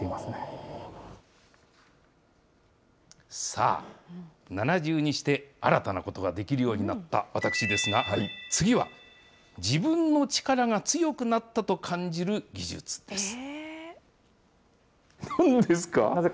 さあ、７０にして新たなことができるようになった私ですが、次は自分の力が強くなったと感じる技術です。